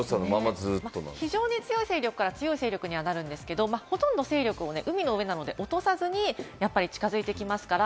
非常に強い勢力から強い勢力にはなるんですけれども、ほとんど海の上なので勢力を落とさずに近づいてきますから。